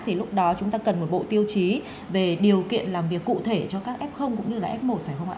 thì lúc đó chúng ta cần một bộ tiêu chí về điều kiện làm việc cụ thể cho các f cũng như là f một